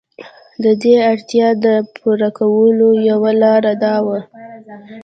د دې اړتیا د پوره کولو یوه لار دا وه.